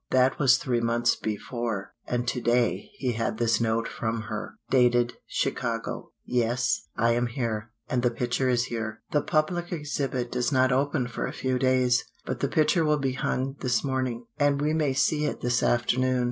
That was three months before, and to day he had this note from her, dated Chicago: "Yes, I am here, and the picture is here. The public exhibit does not open for a few days, but the picture will be hung this morning, and we may see it this afternoon.